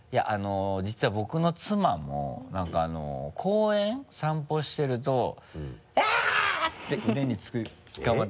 実は僕の妻もなんかあの公園散歩してると「ギャッ」て腕につかまってきて。